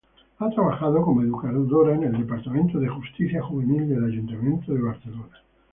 Ha trabajado como educadora en el Departamento de Justicia Juvenil del Ayuntamiento de Barcelona.